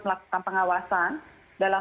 melakukan pengawasan dalam